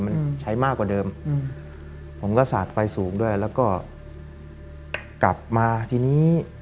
มันใช้มากกว่าเดิมอืมผมก็สาดไฟสูงด้วยแล้วก็กลับมาทีนี้